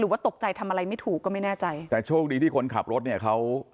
ว่าตกใจทำอะไรไม่ถูกก็ไม่แน่ใจแต่โชคดีที่คนขับรถเนี่ยเขา